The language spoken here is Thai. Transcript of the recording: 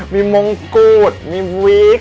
มีมงกูดมีวิก